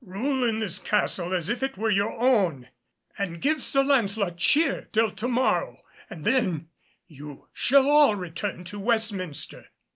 "Rule in this castle as if it were your own, and give Sir Lancelot cheer till to morrow, and then you shall all return to Westminster."